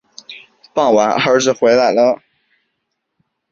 傍晚儿子回来了